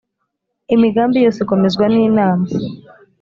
imigambi yose ikomezwa n’inama,